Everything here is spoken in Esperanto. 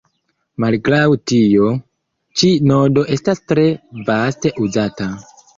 Malgraŭ tio, ĉi nodo estas tre vaste uzata.